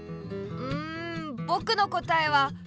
んぼくのこたえは。